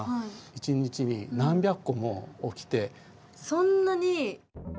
そんなに！？